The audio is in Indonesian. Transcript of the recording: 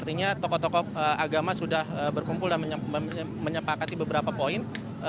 artinya tokoh tokoh agama sudah berkumpul dan menyepakati beberapa poin